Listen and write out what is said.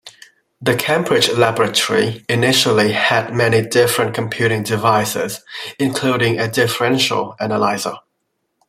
The Cambridge laboratory initially had many different computing devices, including a differential analyser.